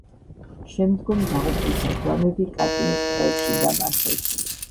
შემდგომ დაღუპულთა გვამები კატინის ტყეებში დამარხეს.